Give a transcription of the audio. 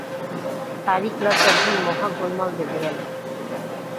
তাঁরই ক্লাসে একদিন মহা গোলমাল বেধে গেল।